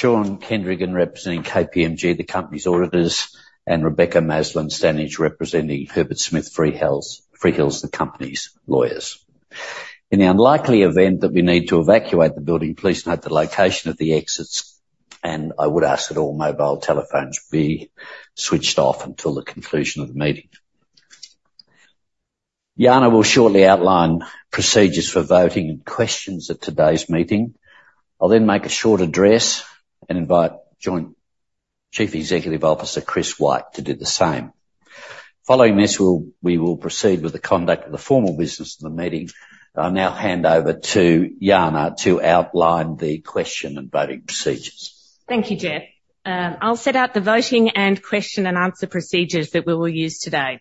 Shaun Kendrigan, representing KPMG, the company's auditors, and Rebecca Maslen-Stannage, representing Herbert Smith Freehills, Freehills, the company's lawyers. In the unlikely event that we need to evacuate the building, please note the location of the exits, and I would ask that all mobile telephones be switched off until the conclusion of the meeting. Janna will shortly outline procedures for voting and questions at today's meeting. I'll then make a short address and invite Joint Chief Executive Officer, Chris Wyke, to do the same. Following this, we will proceed with the conduct of the formal business of the meeting. I'll now hand over to Janna to outline the question and voting procedures. Thank you, Jeff. I'll set out the voting and question and answer procedures that we will use today.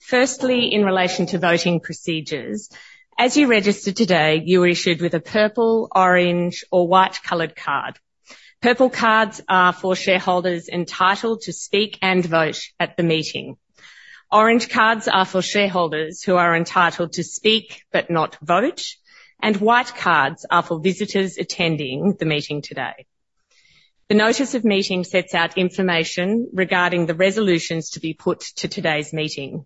Firstly, in relation to voting procedures, as you registered today, you were issued with a purple, orange, or white-colored card. Purple cards are for shareholders entitled to speak and vote at the meeting. Orange cards are for shareholders who are entitled to speak, but not vote. And white cards are for visitors attending the meeting today. The notice of meeting sets out information regarding the resolutions to be put to today's meeting.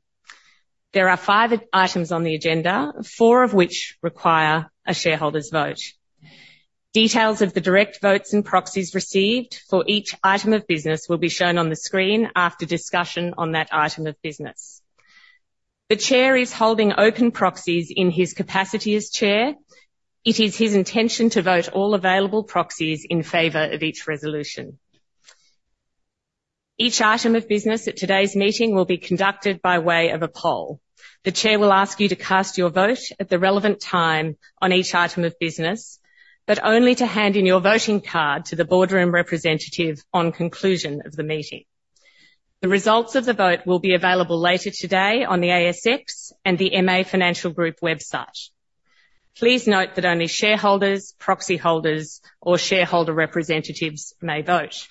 There are five items on the agenda, four of which require a shareholder's vote. Details of the direct votes and proxies received for each item of business will be shown on the screen after discussion on that item of business. The chair is holding open proxies in his capacity as chair. It is his intention to vote all available proxies in favor of each resolution. Each item of business at today's meeting will be conducted by way of a poll. The chair will ask you to cast your vote at the relevant time on each item of business, but only to hand in your voting card to the boardroom representative on conclusion of the meeting. The results of the vote will be available later today on the ASX and the MA Financial Group website. Please note that only shareholders, proxy holders, or shareholder representatives may vote.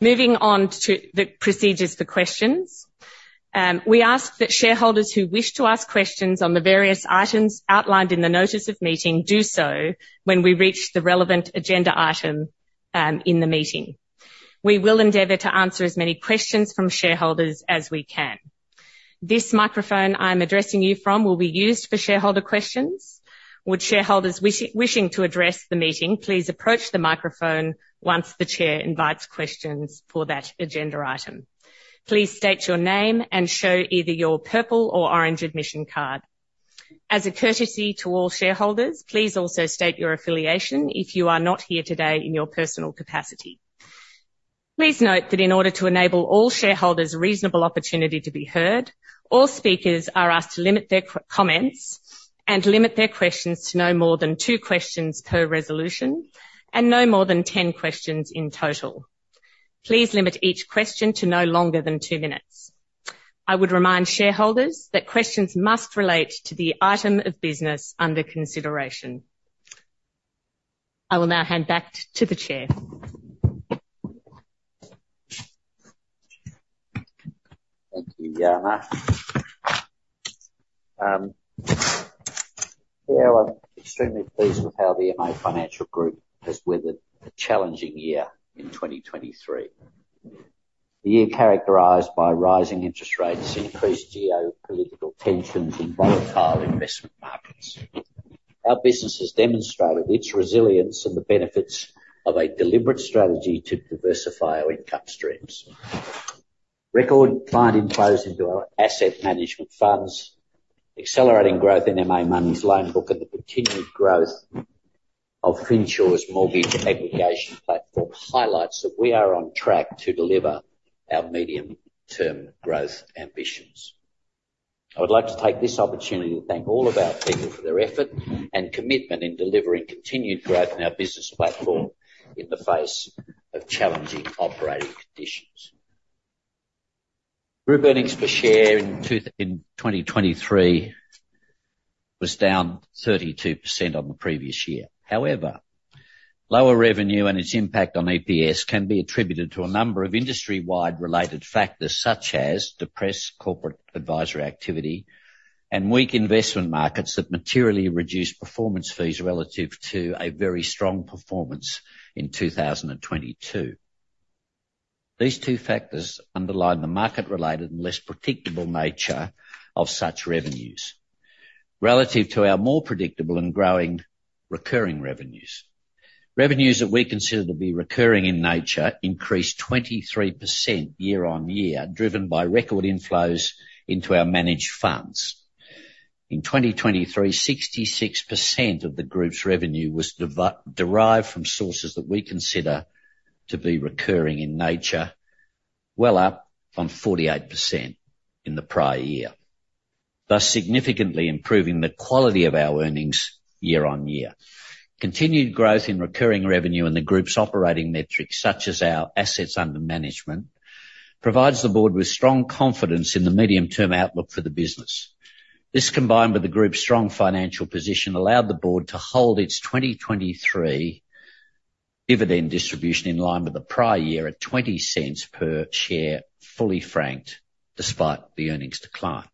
Moving on to the procedures for questions. We ask that shareholders who wish to ask questions on the various items outlined in the notice of meeting, do so when we reach the relevant agenda item, in the meeting. We will endeavor to answer as many questions from shareholders as we can. This microphone I'm addressing you from will be used for shareholder questions. Would shareholders wishing to address the meeting, please approach the microphone once the chair invites questions for that agenda item. Please state your name and show either your purple or orange admission card. As a courtesy to all shareholders, please also state your affiliation if you are not here today in your personal capacity. Please note that in order to enable all shareholders a reasonable opportunity to be heard, all speakers are asked to limit their comments, and limit their questions to no more than two questions per resolution, and no more than ten questions in total. Please limit each question to no longer than two minutes. I would remind shareholders that questions must relate to the item of business under consideration. I will now hand back to the chair. Thank you, Janna. Yeah, I'm extremely pleased with how the MA Financial Group has weathered the challenging year in 2023. The year characterized by rising interest rates, increased geopolitical tensions, and volatile investment markets. Our business has demonstrated its resilience and the benefits of a deliberate strategy to diversify our income streams. Record client inflows into our asset management funds, accelerating growth in MA Money's loan book, and the continued growth of Finsure's mortgage aggregation platform, highlights that we are on track to deliver our medium-term growth ambitions. I would like to take this opportunity to thank all of our people for their effort and commitment in delivering continued growth in our business platform in the face of challenging operating conditions. Group earnings per share in 2023 was down 32% on the previous year. However, lower revenue and its impact on EPS can be attributed to a number of industry-wide related factors, such as depressed corporate advisory activity and weak investment markets that materially reduced performance fees relative to a very strong performance in 2022. These two factors underline the market-related and less predictable nature of such revenues, relative to our more predictable and growing recurring revenues. Revenues that we consider to be recurring in nature increased 23% year-over-year, driven by record inflows into our managed funds. In 2023, 66% of the group's revenue was derived from sources that we consider to be recurring in nature, well up from 48% in the prior year, thus significantly improving the quality of our earnings year-over-year. Continued growth in recurring revenue and the group's operating metrics, such as our assets under management, provides the board with strong confidence in the medium-term outlook for the business. This, combined with the group's strong financial position, allowed the board to hold its 2023 dividend distribution in line with the prior year at 0.20 per share, fully franked, despite the earnings decline,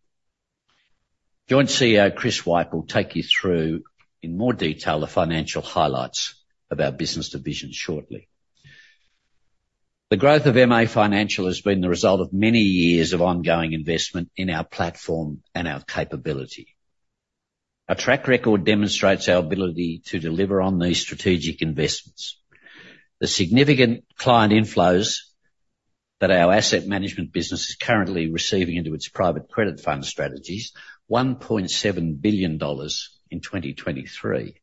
Joint CEO Chris Wyke will take you through, in more detail, the financial highlights of our business divisions shortly. The growth of MA Financial has been the result of many years of ongoing investment in our platform and our capability. Our track record demonstrates our ability to deliver on these strategic investments. The significant client inflows that our asset management business is currently receiving into its private credit fund strategies, 1.7 billion dollars in 2023,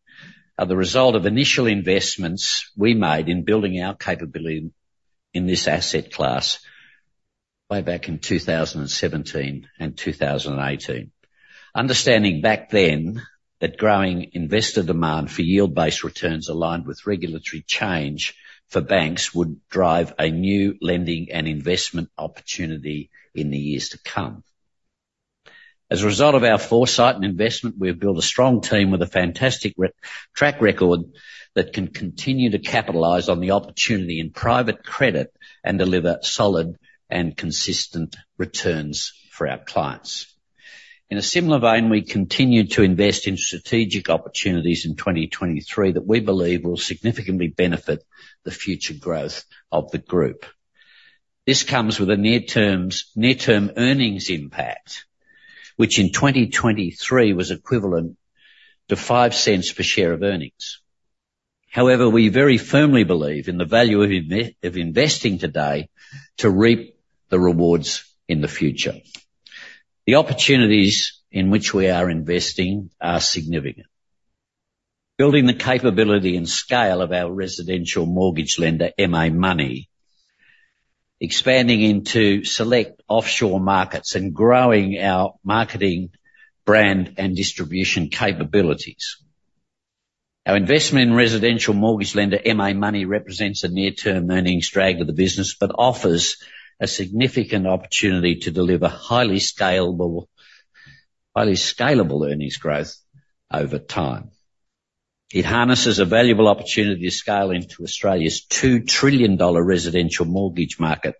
are the result of initial investments we made in building our capability in this asset class way back in 2017 and 2018. Understanding back then, that growing investor demand for yield-based returns aligned with regulatory change for banks, would drive a new lending and investment opportunity in the years to come. As a result of our foresight and investment, we have built a strong team with a fantastic track record, that can continue to capitalize on the opportunity in private credit and deliver solid and consistent returns for our clients. In a similar vein, we continued to invest in strategic opportunities in 2023 that we believe will significantly benefit the future growth of the group. This comes with a near-term earnings impact, which in 2023 was equivalent to 0.05 per share of earnings. However, we very firmly believe in the value of investing today to reap the rewards in the future. The opportunities in which we are investing are significant. Building the capability and scale of our residential mortgage lender, MA Money, expanding into select offshore markets, and growing our marketing, brand, and distribution capabilities. Our investment in residential mortgage lender, MA Money, represents a near-term earnings drag to the business, but offers a significant opportunity to deliver highly scalable, highly scalable earnings growth over time. It harnesses a valuable opportunity to scale into Australia's 2 trillion dollar residential mortgage market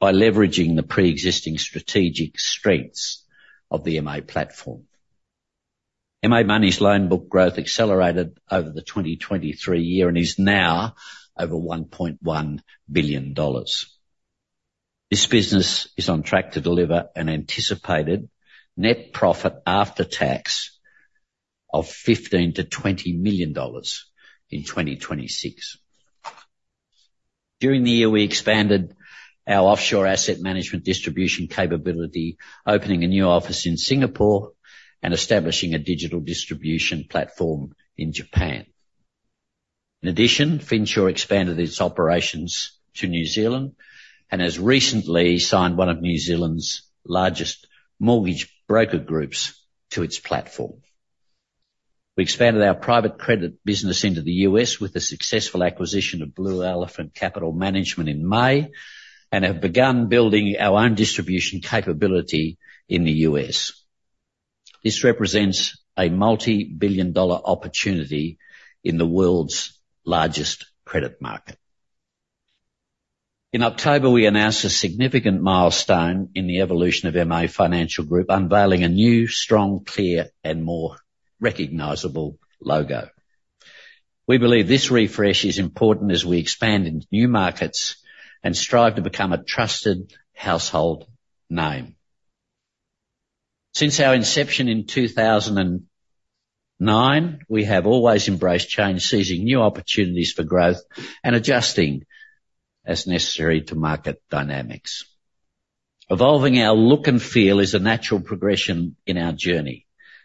by leveraging the pre-existing strategic strengths of the MA platform. MA Money's loan book growth accelerated over the 2023 year, and is now over 1.1 billion dollars. This business is on track to deliver an anticipated net profit after tax of 15 million to 20 million dollars in 2026. During the year, we expanded our offshore asset management distribution capability, opening a new office in Singapore, and establishing a digital distribution platform in Japan. In addition, Finsure expanded its operations to New Zealand, and has recently signed one of New Zealand's largest mortgage broker groups to its platform. We expanded our private credit business into the U.S. with the successful acquisition of Blue Elephant Capital Management in May, and have begun building our own distribution capability in the U.S. This represents a multi-billion-dollar opportunity in the world's largest credit market. In October, we announced a significant milestone in the evolution of MA Financial Group, unveiling a new, strong, clear, and more recognizable logo. We believe this refresh is important as we expand into new markets and strive to become a trusted household name. Since our inception in 2009, we have always embraced change, seizing new opportunities for growth and adjusting as necessary to market dynamics. Evolving our look and feel is a natural progression in our journey,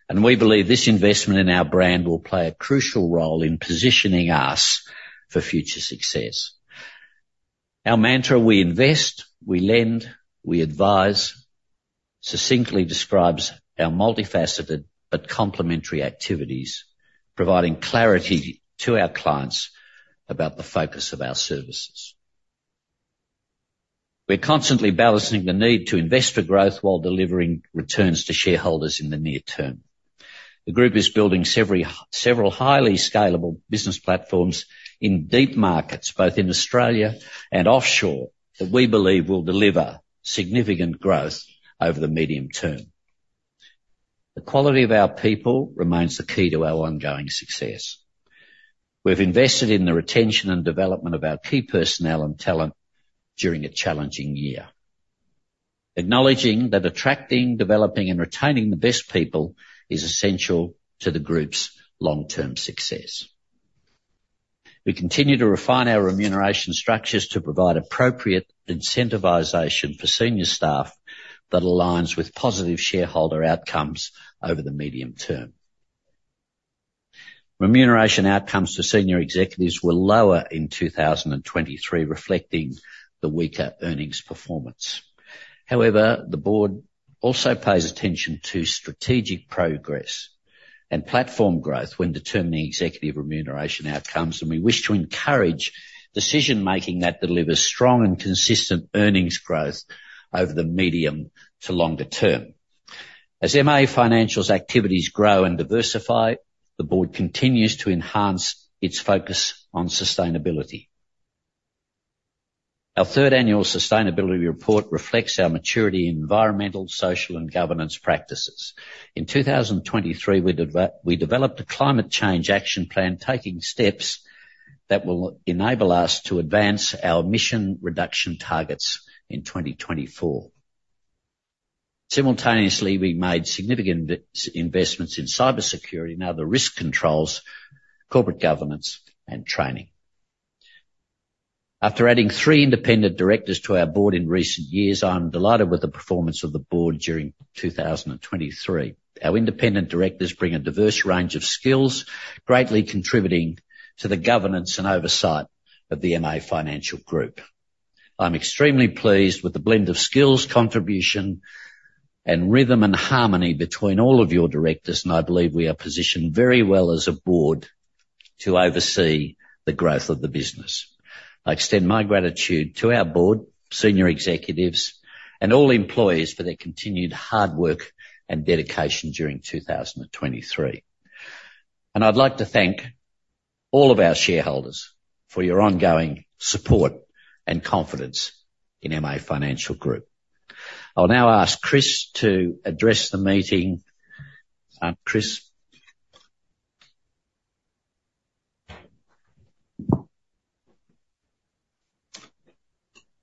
and we believe this investment in our brand will play a crucial role in positioning us for future success. Our mantra, "We invest, we lend, we advise," succinctly describes our multifaceted but complementary activities, providing clarity to our clients about the focus of our services. We're constantly balancing the need to invest for growth while delivering returns to shareholders in the near term. The group is building several highly scalable business platforms in deep markets, both in Australia and offshore, that we believe will deliver significant growth over the medium term. The quality of our people remains the key to our ongoing success. We've invested in the retention and development of our key personnel and talent during a challenging year, acknowledging that attracting, developing, and retaining the best people is essential to the group's long-term success. We continue to refine our remuneration structures to provide appropriate incentivization for senior staff that aligns with positive shareholder outcomes over the medium term. Remuneration outcomes to senior executives were lower in 2023, reflecting the weaker earnings performance. However, the board also pays attention to strategic progress and platform growth when determining executive remuneration outcomes, and we wish to encourage decision-making that delivers strong and consistent earnings growth over the medium to longer term. As MA Financial's activities grow and diversify, the board continues to enhance its focus on sustainability. Our third annual sustainability report reflects our maturity in environmental, social, and governance practices. In 2023, we developed a climate change action plan, taking steps that will enable us to advance our emission reduction targets in 2024. Simultaneously, we made significant investments in cybersecurity and other risk controls, corporate governance, and training. After adding three independent directors to our board in recent years, I'm delighted with the performance of the board during 2023. Our independent directors bring a diverse range of skills, greatly contributing to the governance and oversight of the MA Financial Group. I'm extremely pleased with the blend of skills, contribution, and rhythm and harmony between all of your directors, and I believe we are positioned very well as a board to oversee the growth of the business. I extend my gratitude to our board, senior executives, and all employees for their continued hard work and dedication during 2023. I'd like to thank all of our shareholders for your ongoing support and confidence in MA Financial Group. I'll now ask Chris to address the meeting. Chris?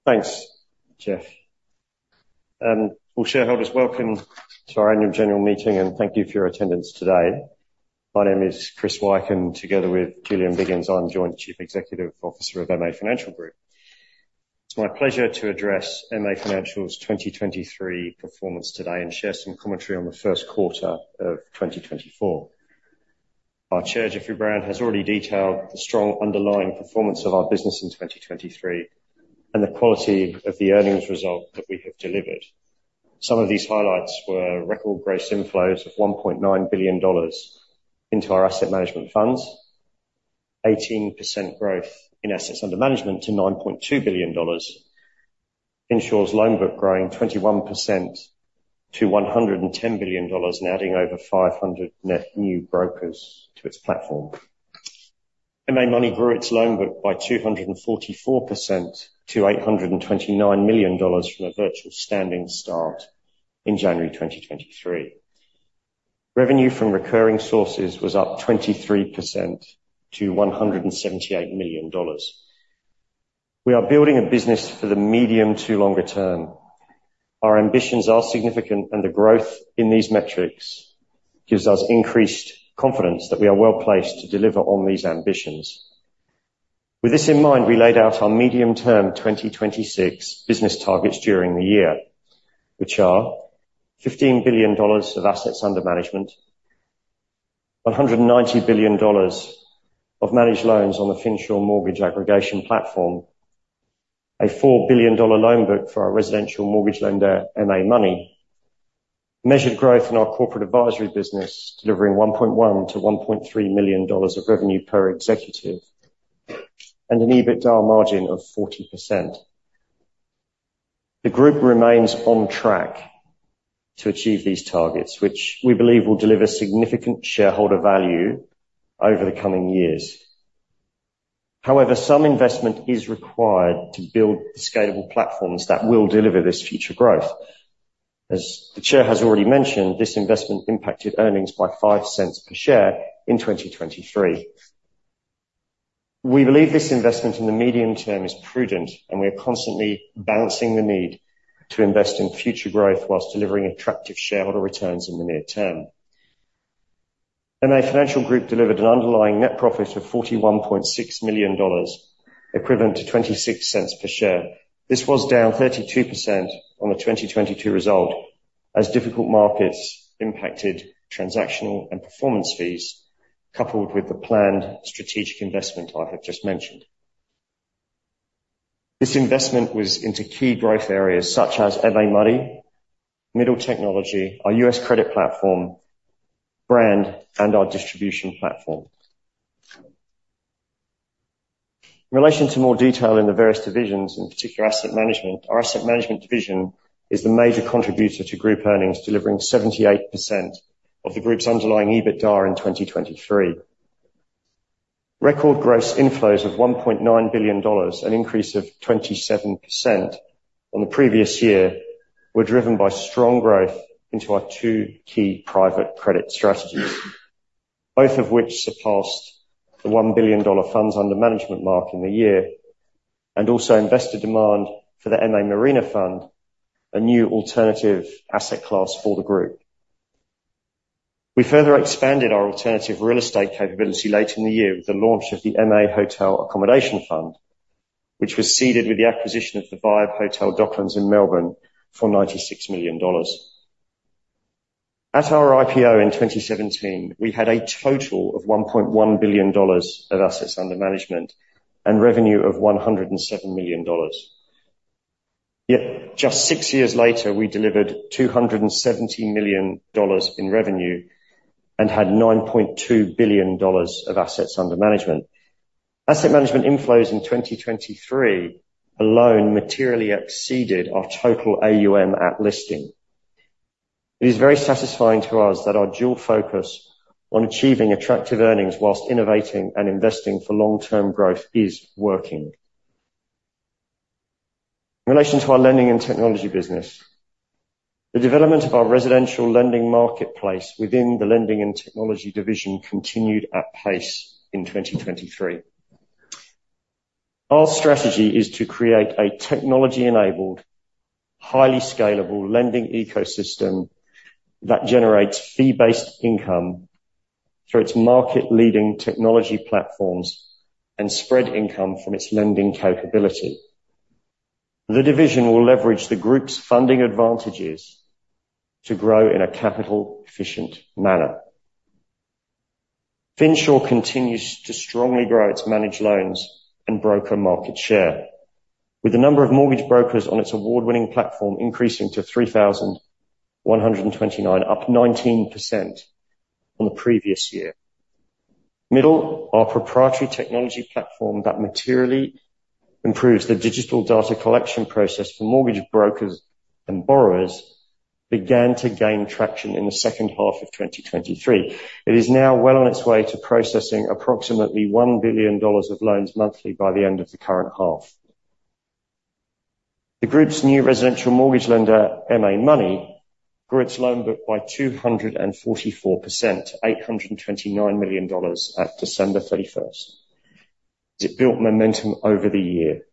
Thanks, Jeff, and all shareholders. Welcome to our annual general meeting, and thank you for your attendance today. My name is Chris Wyke, and together with Julian Biggins, I'm Joint Chief Executive Officer of MA Financial Group. It's my pleasure to address MA Financial's 2023 performance today and share some commentary on the first quarter of 2024. Our chair, Jeffrey Browne, has already detailed the strong underlying performance of our business in 2023 and the quality of the earnings result that we have delivered. Some of these highlights were record gross inflows of 1.9 billion dollars into our asset management funds, 18% growth in assets under management to 9.2 billion dollars, Finsure's loan book growing 21% to 110 billion dollars and adding over 500 net new brokers to its platform. MA Money grew its loan book by 244% to 829 million dollars from a virtual standing start in January 2023. Revenue from recurring sources was up 23% to AUD 178 million. We are building a business for the medium to longer term. Our ambitions are significant, and the growth in these metrics gives us increased confidence that we are well placed to deliver on these ambitions. With this in mind, we laid out our medium-term 2026 business targets during the year, which are 15 billion dollars of assets under management, 190 billion dollars of managed loans on the Finsure mortgage aggregation platform, a 4 billion dollar loan book for our residential mortgage lender, MA Money, measured growth in our corporate advisory business, delivering 1.1 million to 1.3 million dollars of revenue per executive, and an EBITDA margin of 40%. The group remains on track to achieve these targets, which we believe will deliver significant shareholder value over the coming years. However, some investment is required to build the scalable platforms that will deliver this future growth. As the chair has already mentioned, this investment impacted earnings by 0.05 per share in 2023. We believe this investment in the medium term is prudent, and we are constantly balancing the need to invest in future growth while delivering attractive shareholder returns in the near term. MA Financial Group delivered an underlying net profit of 41.6 million dollars, equivalent to 0.26 per share. This was down 32% on the 2022 result, as difficult markets impacted transactional and performance fees, coupled with the planned strategic investment I have just mentioned. This investment was into key growth areas such as MA Money, Middle technology, our US credit platform, brand, and our distribution platform. In relation to more detail in the various divisions, in particular, asset management, our asset management division is the major contributor to group earnings, delivering 78% of the group's underlying EBITDA in 2023. Record gross inflows of 1.9 billion dollars, an increase of 27% on the previous year, were driven by strong growth into our two key private credit strategies, both of which surpassed the $1 billion funds under management mark in the year, and also investor demand for the MA Marina Fund, a new alternative asset class for the group. We further expanded our alternative real estate capability late in the year with the launch of the MA Accommodation Hotel Fund, which was seeded with the acquisition of the Vibe Hotel Docklands in Melbourne for 96 million dollars. At our IPO in 2017, we had a total of 1.1 billion dollars of assets under management and revenue of 107 million dollars. Yet just six years later, we delivered 270 million dollars in revenue and had 9.2 billion dollars of assets under management. Asset management inflows in 2023 alone materially exceeded our total AUM at listing. It is very satisfying to us that our dual focus on achieving attractive earnings while innovating and investing for long-term growth is working. In relation to our lending and technology business, the development of our residential lending marketplace within the lending and technology division continued at pace in 2023. Our strategy is to create a technology-enabled, highly scalable lending ecosystem that generates fee-based income through its market-leading technology platforms and spread income from its lending capability. The division will leverage the group's funding advantages to grow in a capital efficient manner. Finsure continues to strongly grow its managed loans and broker market share, with the number of mortgage brokers on its award-winning platform increasing to 3,129, up 19% from the previous year. Middle, our proprietary technology platform that materially improves the digital data collection process for mortgage brokers and borrowers, began to gain traction in the second half of 2023. It is now well on its way to processing approximately 1 billion dollars of loans monthly by the end of the current half. The group's new residential mortgage lender, MA Money, grew its loan book by 244%, AUD 829 million at December 31. It built momentum over the year.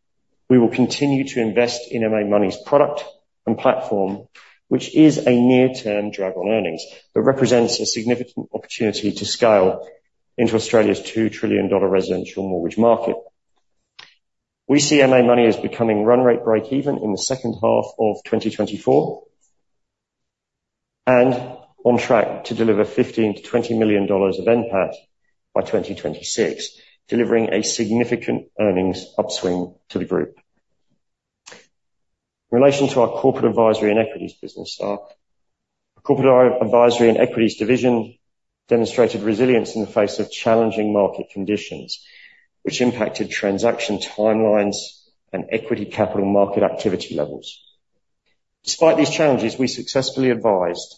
We will continue to invest in MA Money's product and platform, which is a near-term drag on earnings, but represents a significant opportunity to scale into Australia's 2 trillion dollar residential mortgage market. We see MA Money as becoming run rate breakeven in the second half of 2024, and on track to deliver 15 million-20 million dollars of NPAT by 2026, delivering a significant earnings upswing to the group. In relation to our corporate advisory and equities business, our corporate advisory and equities division demonstrated resilience in the face of challenging market conditions, which impacted transaction timelines and equity capital market activity levels. Despite these challenges, we successfully advised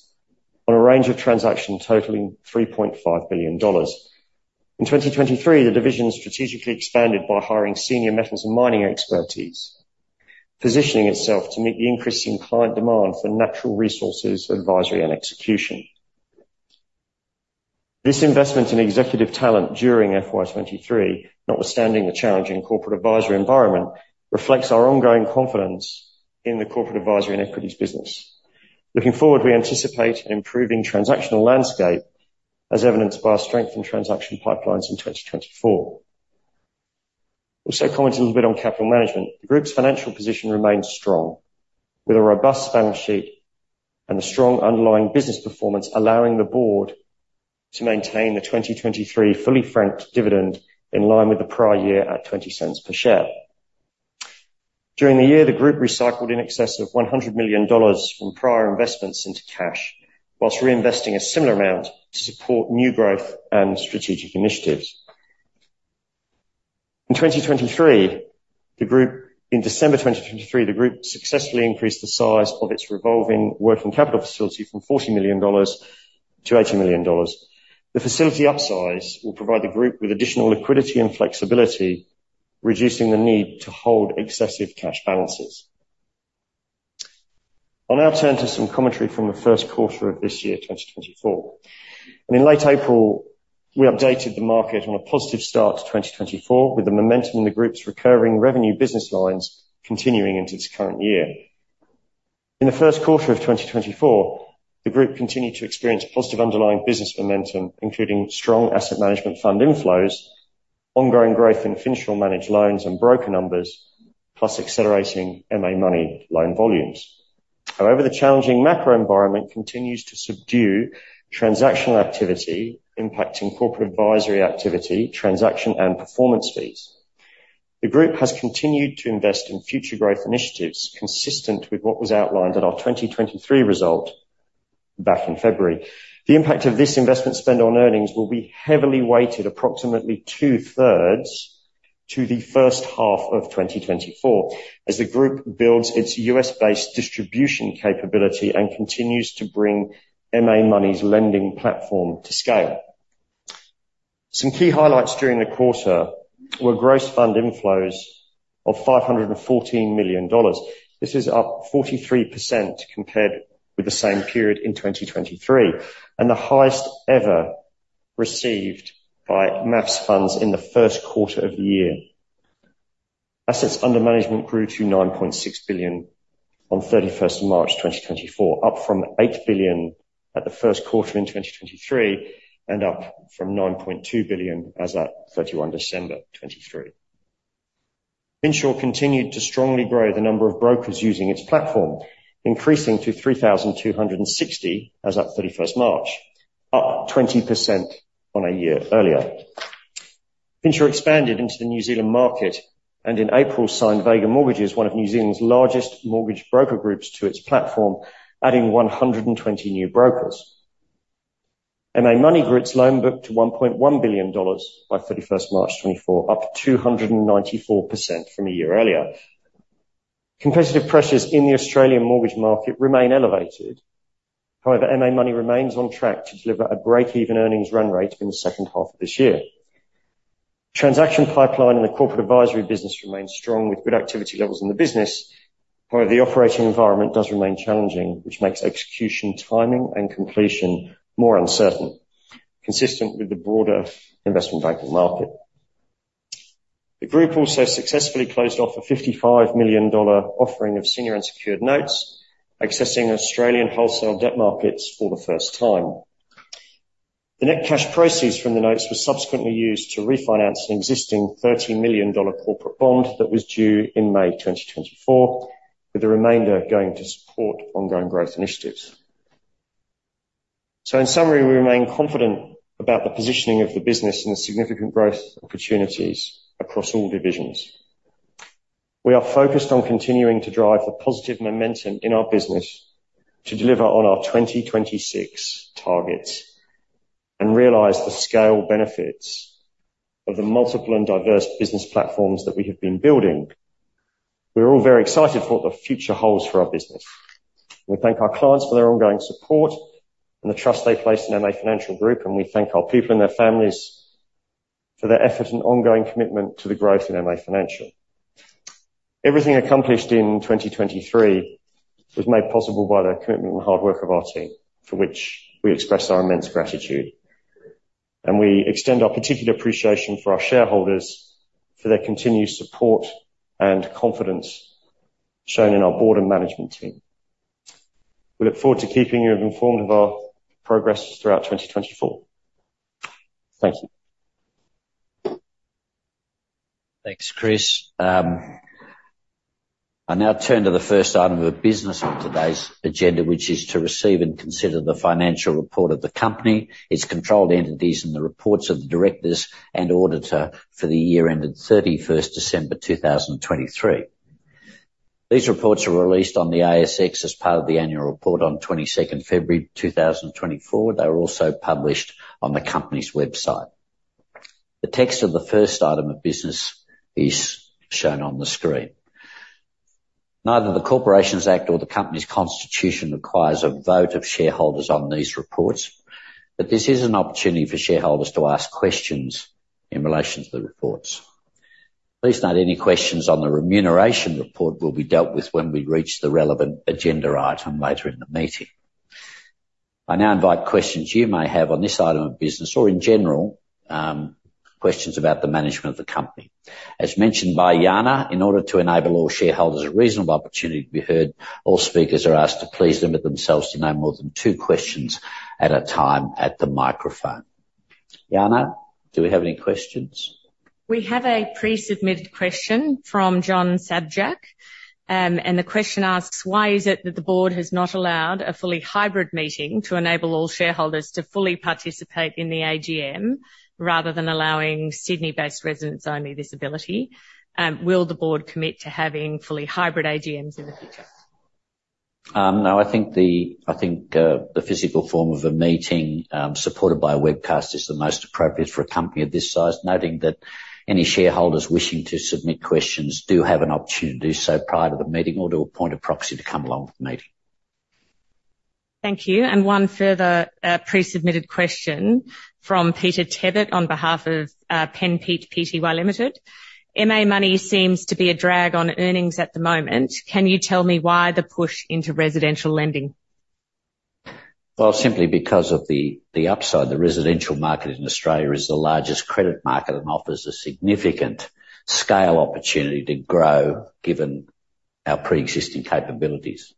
on a range of transactions totaling 3.5 billion dollars. In 2023, the division strategically expanded by hiring senior metals and mining expertise, positioning itself to meet the increasing client demand for natural resources, advisory, and execution. This investment in executive talent during FY 2023, notwithstanding the challenging corporate advisory environment, reflects our ongoing confidence in the corporate advisory and equities business. Looking forward, we anticipate an improving transactional landscape, as evidenced by our strength in transaction pipelines in 2024. I'll also comment a little bit on capital management. The group's financial position remains strong, with a robust balance sheet and a strong underlying business performance, allowing the board to maintain the 2023 fully franked dividend in line with the prior year at 0.20 per share. During the year, the group recycled in excess of 100 million dollars from prior investments into cash, while reinvesting a similar amount to support new growth and strategic initiatives. In 2023, in December 2023, the group successfully increased the size of its revolving working capital facility from 40 million dollars to 80 million dollars. The facility upsize will provide the group with additional liquidity and flexibility, reducing the need to hold excessive cash balances. I'll now turn to some commentary from the first quarter of this year, 2024. In late April, we updated the market on a positive start to 2024, with the momentum in the group's recurring revenue business lines continuing into this current year. In the first quarter of 2024, the group continued to experience positive underlying business momentum, including strong asset management fund inflows, ongoing growth in Finsure managed loans and broker numbers, plus accelerating MA Money loan volumes. However, the challenging macro environment continues to subdue transactional activity, impacting corporate advisory activity, transaction, and performance fees. The group has continued to invest in future growth initiatives, consistent with what was outlined at our 2023 result back in February. The impact of this investment spend on earnings will be heavily weighted approximately two-thirds to the first half of 2024, as the group builds its U.S. based distribution capability and continues to bring MA Money's lending platform to scale. Some key highlights during the quarter were gross fund inflows of 514 million dollars. This is up 43% compared with the same period in 2023, and the highest ever received by MA's funds in the first quarter of the year. Assets under management grew to 9.6 billion on March 31, 2024, up from 8 billion at the first quarter in 2023, and up from 9.2 billion as at December 31, 2023. Finsure continued to strongly grow the number of brokers using its platform, increasing to 3,260 as at 31 March, up 20% on a year earlier. Finsure expanded into the New Zealand market, and in April, signed Vega Mortgages, one of New Zealand's largest mortgage broker groups, to its platform, adding 120 new brokers. MA Money's loan book to 1.1 billion dollars by 31 March 2024, up 294% from a year earlier. Competitive pressures in the Australian mortgage market remain elevated. However, MA Money remains on track to deliver a breakeven earnings run rate in the second half of this year. Transaction pipeline in the corporate advisory business remains strong, with good activity levels in the business. However, the operating environment does remain challenging, which makes execution, timing, and completion more uncertain, consistent with the broader investment banking market. The group also successfully closed off a 55 million dollar offering of senior unsecured notes, accessing Australian wholesale debt markets for the first time. The net cash proceeds from the notes were subsequently used to refinance the existing AUD 13 million corporate bond that was due in May 2024, with the remainder going to support ongoing growth initiatives. So in summary, we remain confident about the positioning of the business and the significant growth opportunities across all divisions. We are focused on continuing to drive the positive momentum in our business to deliver on our 2026 targets and realize the scale benefits of the multiple and diverse business platforms that we have been building. We're all very excited for what the future holds for our business. We thank our clients for their ongoing support and the trust they place in MA Financial Group, and we thank our people and their families for their effort and ongoing commitment to the growth in MA Financial. Everything accomplished in 2023 was made possible by the commitment and hard work of our team, for which we express our immense gratitude, and we extend our particular appreciation for our shareholders for their continued support and confidence shown in our board and management team. We look forward to keeping you informed of our progress throughout 2024. Thank you. Thanks, Chris. I now turn to the first item of business on today's agenda, which is to receive and consider the financial report of the company, its controlled entities, and the reports of the directors and auditor for the year ended 31 December 2023. These reports were released on the ASX as part of the annual report on 22 February 2024. They were also published on the company's website. The text of the first item of business is shown on the screen. Neither the Corporations Act or the company's constitution requires a vote of shareholders on these reports, but this is an opportunity for shareholders to ask questions in relation to the reports. Please note, any questions on the remuneration report will be dealt with when we reach the relevant agenda item later in the meeting. I now invite questions you may have on this item of business or in general, questions about the management of the company. As mentioned by Janna, in order to enable all shareholders a reasonable opportunity to be heard, all speakers are asked to please limit themselves to no more than two questions at a time at the microphone. Janna, do we have any questions? We have a pre-submitted question from John Sabjak. The question asks: Why is it that the board has not allowed a fully hybrid meeting to enable all shareholders to fully participate in the AGM, rather than allowing Sydney-based residents only this ability? Will the board commit to having fully hybrid AGMs in the future? No, I think the physical form of a meeting, supported by a webcast, is the most appropriate for a company of this size, noting that any shareholders wishing to submit questions do have an opportunity to do so prior to the meeting or to appoint a proxy to come along to the meeting. Thank you, and one further, pre-submitted question from Peter Tebbutt on behalf of, Penpeach Pty Limited. MA Money seems to be a drag on earnings at the moment. Can you tell me why the push into residential lending? Well, simply because of the upside. The residential market in Australia is the largest credit market and offers a significant scale opportunity to grow, given our pre-existing capabilities.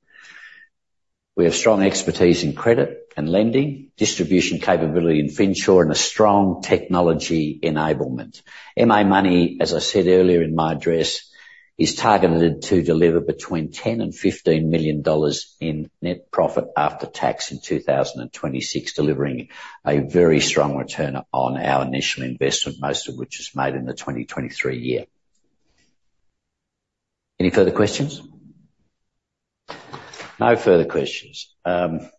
We have strong expertise in credit and lending, distribution capability in Finsure, and a strong technology enablement. MA Money, as I said earlier in my address, is targeted to deliver between 10 million and 15 million dollars in net profit after tax in 2026, delivering a very strong return on our initial investment, most of which was made in the 2023 year. Any further questions? No further questions. In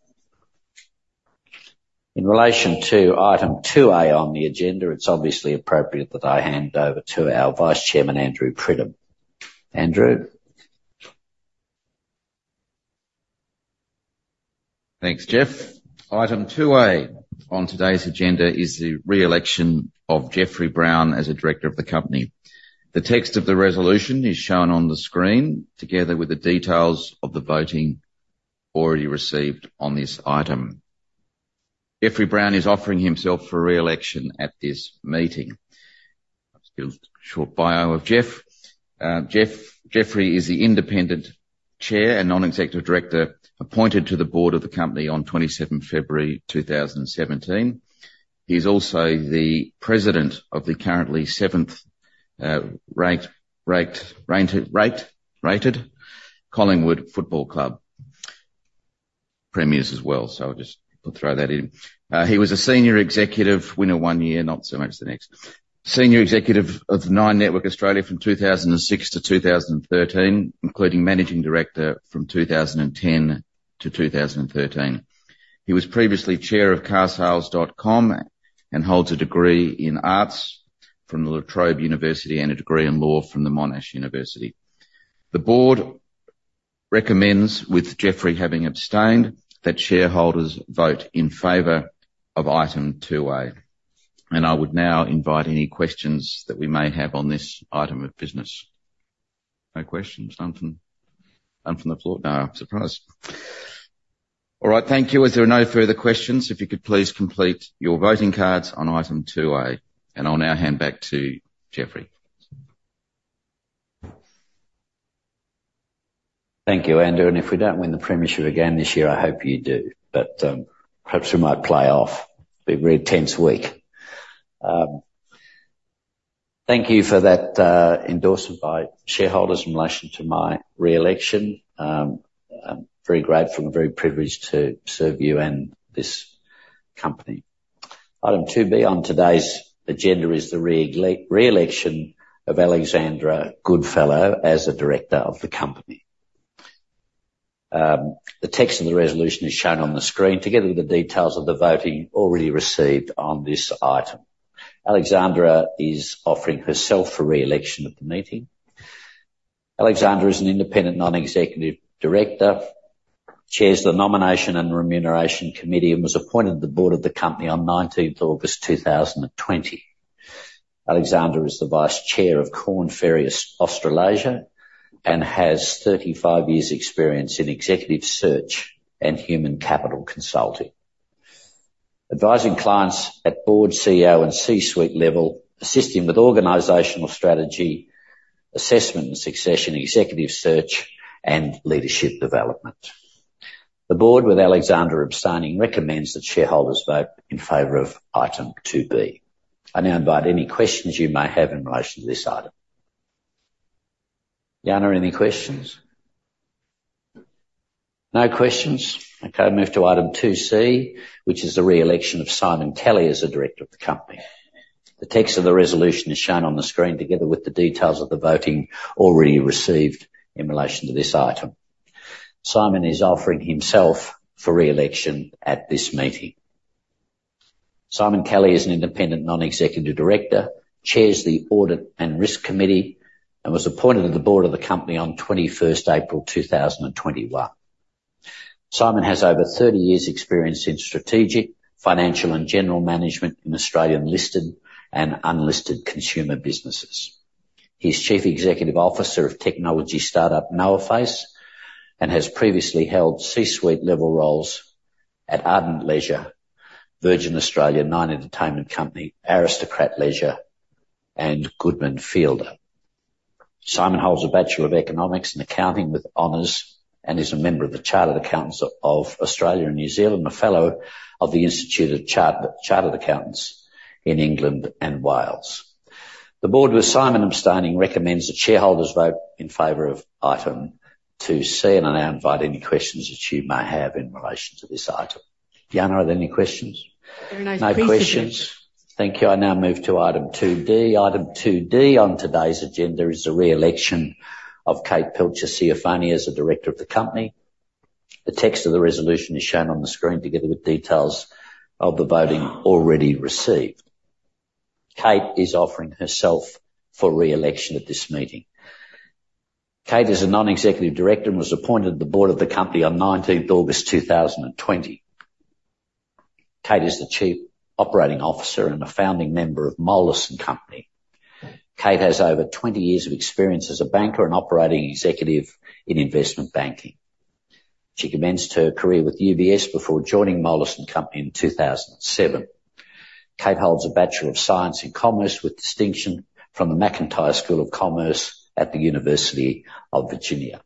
relation to item 2A on the agenda, it's obviously appropriate that I hand over to our Vice Chairman, Andrew Pridham. Andrew? Thanks, Jeff. Item 2A on today's agenda is the re-election of Jeffrey Browne as a director of the company. The text of the resolution is shown on the screen, together with the details of the voting already received on this item. Jeffrey Browne is offering himself for re-election at this meeting. Just a short bio of Jeff. Jeff, Jeffrey is the independent chair and non-executive director, appointed to the board of the company on 27 February 2017. He's also the president of the currently seventh ranked rated Collingwood Football Club. Premiers as well, so I'll just throw that in. He was a senior executive, winner one year, not so much the next. Senior executive of Nine Network Australia from 2006 to 2013, including managing director from 2010 to 2013. He was previously chair of Carsales.com and holds a degree in Arts from the La Trobe University and a degree in Law from the Monash University. The board recommends, with Jeffrey having abstained, that shareholders vote in favor of item 2A. I would now invite any questions that we may have on this item of business. No questions, none from the floor? No, I'm surprised. All right, thank you. As there are no further questions, if you could please complete your voting cards on item 2A, and I'll now hand back to Jeffrey. Thank you, Andrew. If we don't win the Premiership again this year, I hope you do, but perhaps we might play off. Be a very tense week. Thank you for that endorsement by shareholders in relation to my re-election. I'm very grateful and very privileged to serve you and this company. Item 2B on today's agenda is the re-election of Alexandra Goodfellow as a director of the company. The text of the resolution is shown on the screen, together with the details of the voting already received on this item. Alexandra is offering herself for re-election at the meeting. Alexandra is an independent, non-executive director, chairs the Nomination and Remuneration Committee, and was appointed to the board of the company on 19th August 2020. Alexandra is the Vice Chair of Korn Ferry Australasia, and has 35 years' experience in executive search and human capital consulting, advising clients at board, CEO, and C-suite level, assisting with organizational strategy, assessment and succession, executive search, and leadership development. The board, with Alexandra abstaining, recommends that shareholders vote in favor of item two B. I now invite any questions you may have in relation to this item. Janna, any questions? No questions. Okay, move to item two C, which is the re-election of Simon Kelly as a director of the company. The text of the resolution is shown on the screen, together with the details of the voting already received in relation to this item. Simon is offering himself for re-election at this meeting. Simon Kelly is an independent, non-executive director, chairs the Audit and Risk Committee, and was appointed to the board of the company on twenty-first April, two thousand and twenty-one. Simon has over 30 years' experience in strategic, financial, and general management in Australian listed and unlisted consumer businesses. He's Chief Executive Officer of technology startup NoahFace, and has previously held C-suite level roles at Ardent Leisure, Virgin Australia, Nine Entertainment Company, Aristocrat Leisure, and Goodman Fielder. Simon holds a Bachelor of Economics and Accounting with honors, and is a member of the Chartered Accountants of Australia and New Zealand, a fellow of the Institute of Chartered Accountants in England and Wales. The board, with Simon abstaining, recommends that shareholders vote in favor of item 2 C, and I now invite any questions that you may have in relation to this item. Janna, are there any questions? There are no questions. No questions. Thank you. I now move to item two D. Item two D on today's agenda is the re-election of Kate Pilcher Ciafone as a director of the company. The text of the resolution is shown on the screen, together with details of the voting already received. Kate is offering herself for re-election at this meeting. Kate is a Non-Executive Director and was appointed to the board of the company on 19 August 2020. Kate is the Chief Operating Officer and a founding member of Moelis & Company. Kate has over 20 years of experience as a banker and operating executive in investment banking. She commenced her career with UBS before joining Moelis & Company in 2007. Kate holds a Bachelor of Science in Commerce with distinction from the McIntire School of Commerce at the University of Virginia.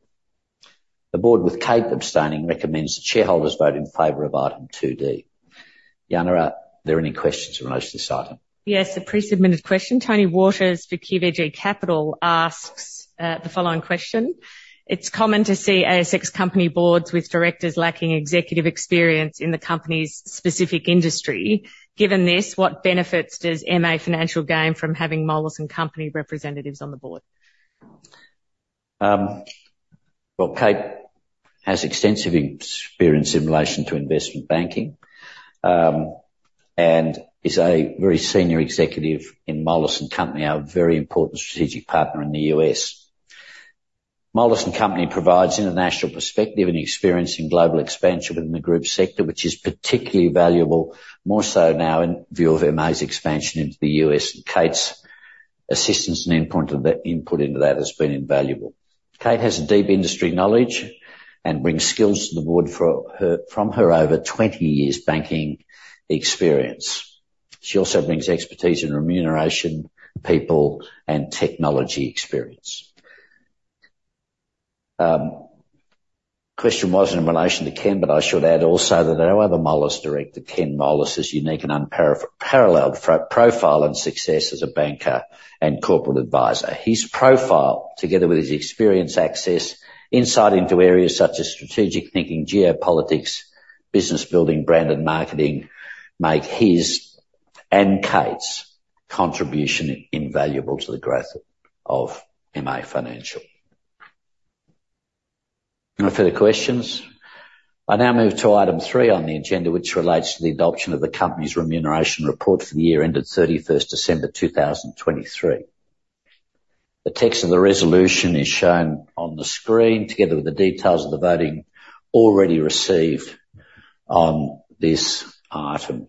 The board, with Kate abstaining, recommends the shareholders vote in favor of item 2 D. Janna, are there any questions in relation to this item? Yes, a pre-submitted question. Tony Waters for QVG Capital asks the following question: It's common to see ASX company boards with directors lacking executive experience in the company's specific industry. Given this, what benefits does MA Financial gain from having Moelis & Company representatives on the board? Well, Kate has extensive experience in relation to investment banking, and is a very senior executive in Moelis & Company, our very important strategic partner in the US. Moelis & Company provides international perspective and experience in global expansion within the group sector, which is particularly valuable, more so now in view of MA's expansion into the US, and Kate's assistance and input of that, input into that has been invaluable. Kate has a deep industry knowledge and brings skills to the board from her over 20 years banking experience. She also brings expertise in remuneration, people, and technology experience. Question wasn't in relation to Ken, but I should add also that our other Moelis director, Ken Moelis's, unique and unparalleled profile and success as a banker and corporate advisor. His profile, together with his experience, access, insight into areas such as strategic thinking, geopolitics, business building, brand and marketing, make his and Kate's contribution invaluable to the growth of MA Financial. No further questions? I now move to item three on the agenda, which relates to the adoption of the company's remuneration report for the year ended December 31, 2023. The text of the resolution is shown on the screen, together with the details of the voting already received on this item. The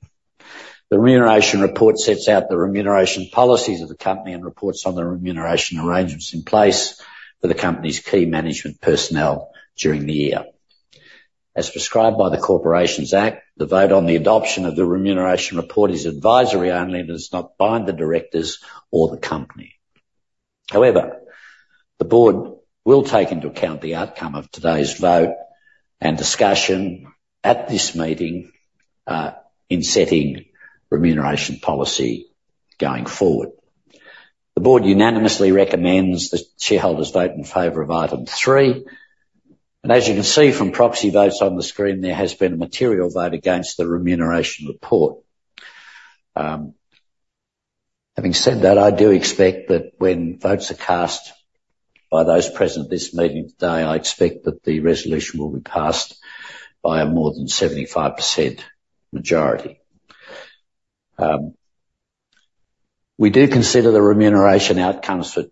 remuneration report sets out the remuneration policies of the company and reports on the remuneration arrangements in place for the company's key management personnel during the year. As prescribed by the Corporations Act, the vote on the adoption of the remuneration report is advisory only, and does not bind the directors or the company. However, the board will take into account the outcome of today's vote and discussion at this meeting in setting remuneration policy going forward. The board unanimously recommends the shareholders vote in favor of item three, and as you can see from proxy votes on the screen, there has been a material vote against the remuneration report. Having said that, I do expect that when votes are cast by those present at this meeting today, I expect that the resolution will be passed by a more than 75% majority. We do consider the remuneration outcomes for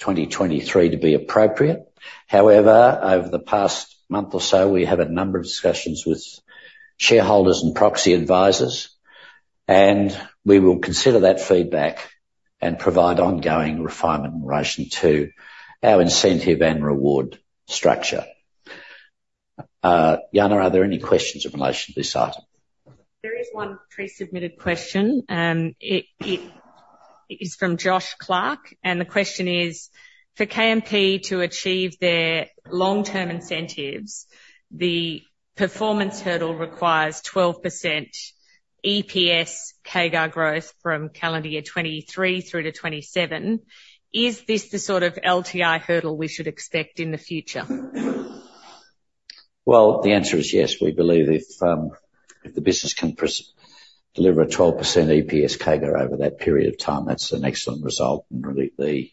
2023 to be appropriate. However, over the past month or so, we had a number of discussions with shareholders and proxy advisors, and we will consider that feedback and provide ongoing refinement in relation to our incentive and reward structure. Janna, are there any questions in relation to this item? There is one pre-submitted question, and it is from Josh Clark, and the question is: For KMP to achieve their long-term incentives, the performance hurdle requires 12% EPS CAGR growth from calendar year 2023 through to 2027. Is this the sort of LTI hurdle we should expect in the future? Well, the answer is yes. We believe if the business can deliver a 12% EPS CAGR over that period of time, that's an excellent result, and really, the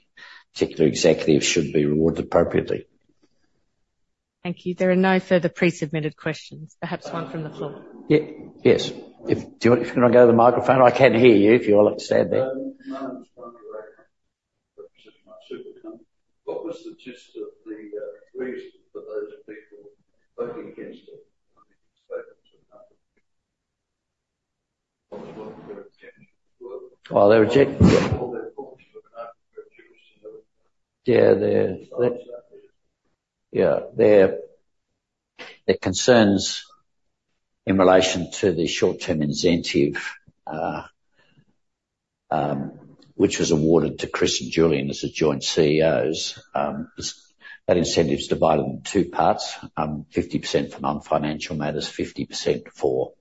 particular executives should be rewarded appropriately. Thank you. There are no further pre-submitted questions. Perhaps one from the floor. Yes. If you want to go to the microphone, I can hear you if you want to stand there. My name's Andrew Ray, representing my super company. What was the gist of the reason for those people voting against it? Their concerns in relation to the short-term incentive, which was awarded to Chris and Julian as the joint CEOs, is that incentive is divided into two parts. 50% for non-financial matters, 50% for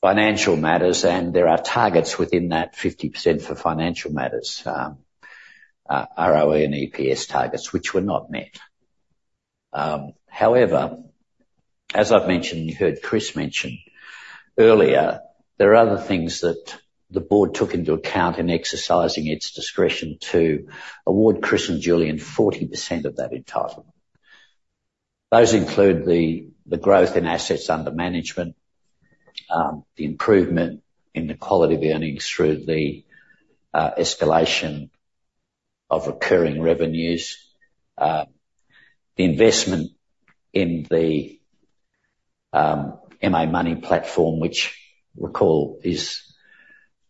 financial matters, and there are targets within that 50% for financial matters, ROE and EPS targets, which were not met. However, as I've mentioned, you heard Chris mention earlier, there are other things that the board took into account in exercising its discretion to award Chris and Julian 40% of that entitlement. Those include the growth in assets under management, the improvement in the quality of the earnings through the escalation of recurring revenues, the investment in the MA Money platform, which recall, is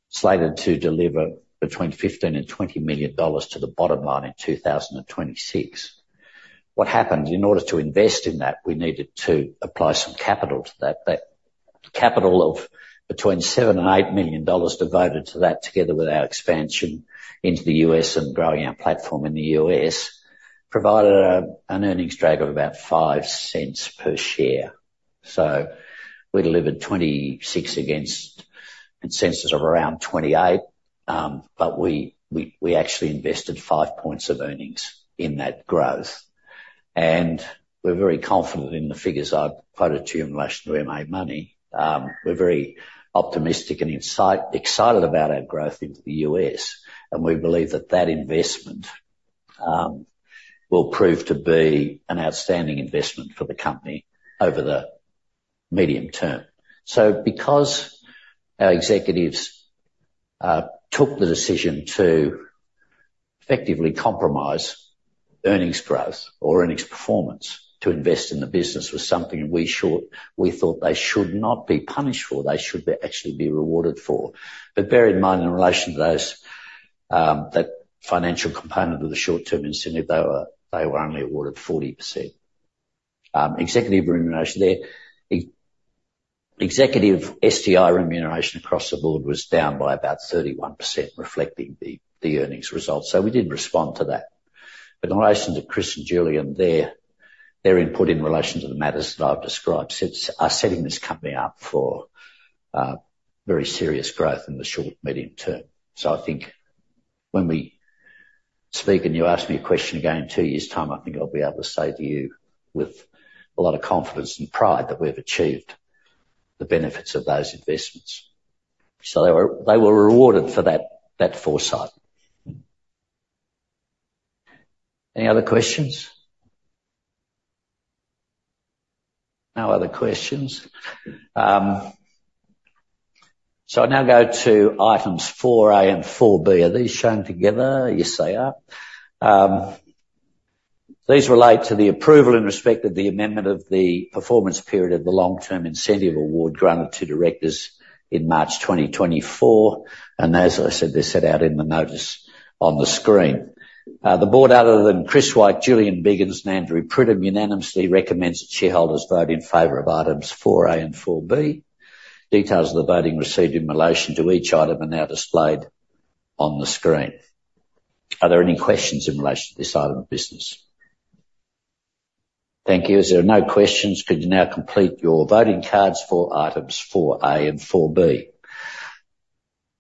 slated to deliver between 15 million and 20 million dollars to the bottom line in 2026. What happened, in order to invest in that, we needed to apply some capital to that. That capital of between 7 million and 8 million dollars devoted to that, together with our expansion into the U.S. and growing our platform in the U.S., provided an earnings drag of about 0.05 per share. So we delivered 26 against consensus of around 28, but we actually invested 5 points of earnings in that growth. And we're very confident in the figures I've quoted to you in relation to MA Money. We're very optimistic and excited about our growth into the U.S., and we believe that that investment will prove to be an outstanding investment for the company over the medium term. So because our executives took the decision to effectively compromise earnings growth or earnings performance to invest in the business, was something we thought they should not be punished for. They should actually be rewarded for. But bear in mind, in relation to those, that financial component of the short-term incentive, they were only awarded 40%. Executive remuneration, their executive STI remuneration across the board was down by about 31%, reflecting the earnings results. So we did respond to that. But in relation to Chris and Julian, their input in relation to the matters that I've described are setting this company up for very serious growth in the short and medium term. So I think when speaking, you ask me a question again in 2 years' time, I think I'll be able to say to you with a lot of confidence and pride that we've achieved the benefits of those investments. So they were rewarded for that foresight. Any other questions? No other questions. So I'll now go to items 4A and 4B. Are these shown together? Yes, they are. These relate to the approval in respect of the amendment of the performance period of the long-term incentive award granted to directors in March 2024, and as I said, they're set out in the notice on the screen. The board, other than Chris Wyke, Julian Biggins, and Andrew Pridham, unanimously recommends that shareholders vote in favor of items 4A and 4B. Details of the voting received in relation to each item are now displayed on the screen. Are there any questions in relation to this item of business? Thank you. As there are no questions, could you now complete your voting cards for items 4A and 4B.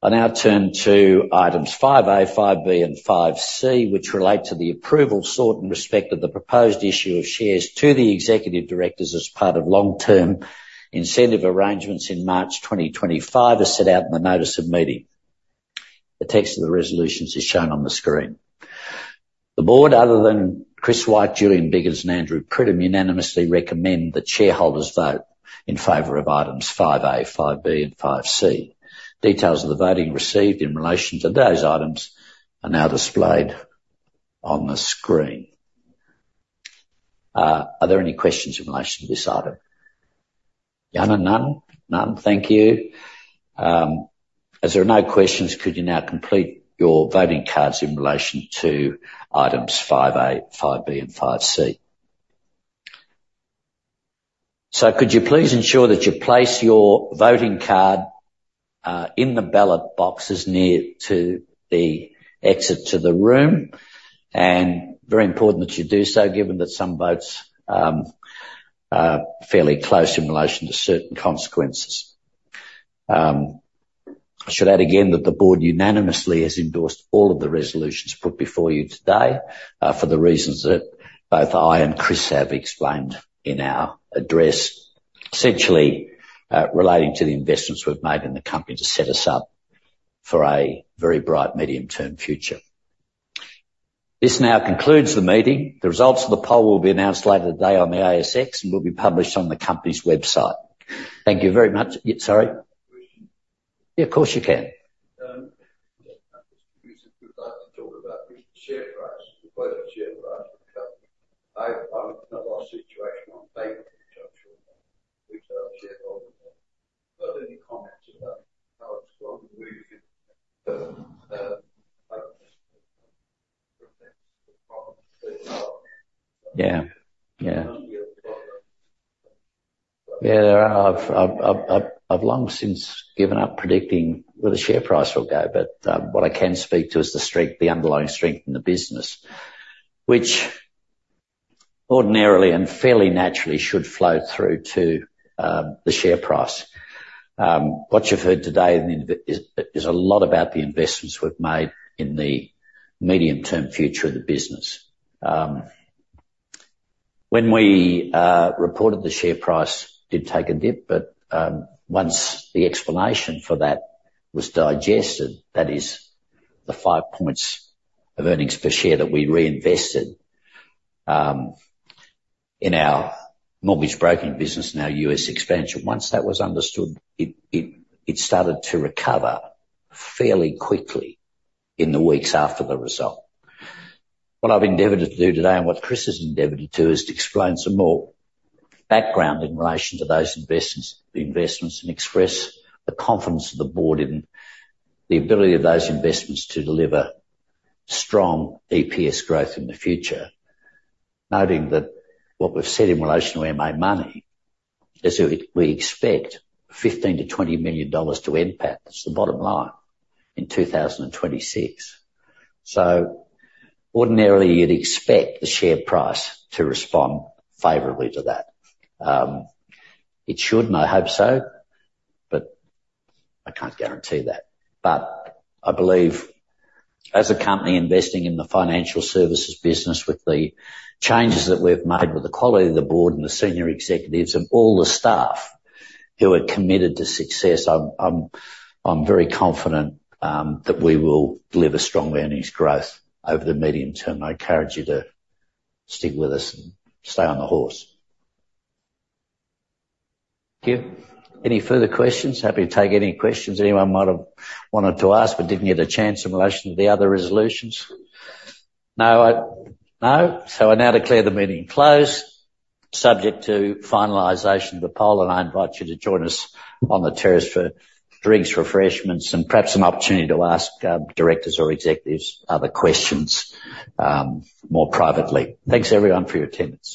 I now turn to items 5A, 5B, and 5C, which relate to the approval sought in respect of the proposed issue of shares to the executive directors as part of long-term incentive arrangements in March 2025, as set out in the notice of meeting. The text of the resolutions is shown on the screen. The board, other than Chris Wyke, Julian Biggins, and Andrew Pridham, unanimously recommend that shareholders vote in favor of items five A, five B, and five C. Details of the voting received in relation to those items are now displayed on the screen. Are there any questions in relation to this item? Yeah, none. None, thank you. As there are no questions, could you now complete your voting cards in relation to items five A, five B, and five C. Could you please ensure that you place your voting card in the ballot boxes near to the exit to the room? Very important that you do so, given that some votes are fairly close in relation to certain consequences. I should add again that the board unanimously has endorsed all of the resolutions put before you today, for the reasons that both I and Chris have explained in our address, essentially, relating to the investments we've made in the company to set us up for a very bright medium-term future. This now concludes the meeting. The results of the poll will be announced later today on the ASX, and will be published on the company's website. Thank you very much. Yeah, sorry? Question. Yeah, of course you can. Just to talk about the share price, the price of share price of the company. I know our situation on daily, which are shareholder. But any comments about how it's going to move, affects the problem? Yeah. Yeah. Um, yeah. Yeah, I've long since given up predicting where the share price will go, but what I can speak to is the strength, the underlying strength in the business, which ordinarily and fairly naturally should flow through to the share price. What you've heard today is a lot about the investments we've made in the medium-term future of the business. When we reported, the share price did take a dip, but once the explanation for that was digested, that is the five points of earnings per share that we reinvested in our mortgage broking business and our US expansion. Once that was understood, it started to recover fairly quickly in the weeks after the result. What I've endeavored to do today, and what Chris has endeavored to, is to explain some more background in relation to those investments, the investments, and express the confidence of the board in the ability of those investments to deliver strong EPS growth in the future. Noting that what we've said in relation to MA Money, is that we, we expect 15 million to 20 million dollars to NPAT, that's the bottom line, in 2026. So ordinarily, you'd expect the share price to respond favorably to that. It should, and I hope so, but I can't guarantee that. But I believe as a company investing in the financial services business, with the changes that we've made, with the quality of the board and the senior executives and all the staff who are committed to success, I'm very confident that we will deliver strong earnings growth over the medium term. I encourage you to stick with us and stay on the horse. Thank you. Any further questions? Happy to take any questions anyone might have wanted to ask, but didn't get a chance in relation to the other resolutions. No, I... No? So I now declare the meeting closed, subject to finalization of the poll, and I invite you to join us on the terrace for drinks, refreshments, and perhaps some opportunity to ask directors or executives other questions more privately. Thanks, everyone, for your attendance.